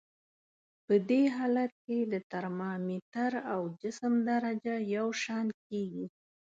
په دې حالت کې د ترمامتر او جسم درجه یو شان کیږي.